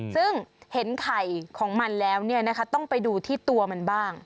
ซึ่งเห็นไข่ของมันแล้วต้องไปดูที่ตัวมันบ้าง